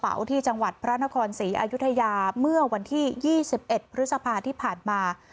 ป่าวที่จังหวัดพระราณครสีอายุทยาเมื่อวันที่ยี่สิบเอ็ดพฤษภาคที่ผ่านมา